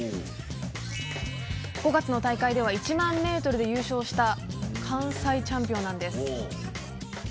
５月の大会では１００００ｍで優勝した関西チャンピオンなんです。